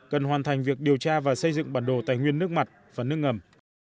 cần hoàn thành việc điều tra và xây dựng bản đồ tài nguyên nước mặt và nước ngầm